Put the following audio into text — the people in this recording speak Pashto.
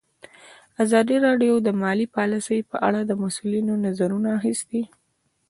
ازادي راډیو د مالي پالیسي په اړه د مسؤلینو نظرونه اخیستي.